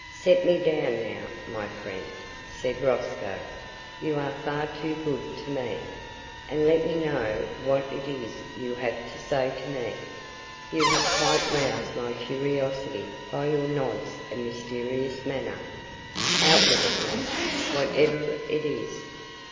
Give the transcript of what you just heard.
"Set me down now, my friend," said Rosco, "you are far too good to me; and let me know what it is you have to say to me. You have quite roused my curiosity by your nods and mysterious manner. Out with it now, whatever it is."